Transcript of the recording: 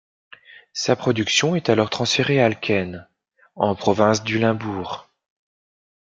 Sa production est alors transférée à Alken, en province du Limbourg.